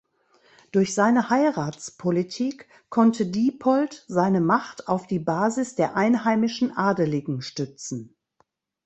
Durch seine Heiratspolitik konnte Diepold seine Macht auf die Basis der einheimischen Adeligen stützen.